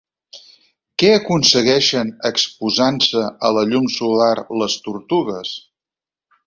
Què aconsegueixen exposant-se a la llum solar les tortugues?